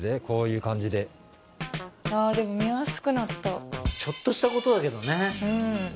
こういう感じでああでも見やすくなったちょっとしたことだけどね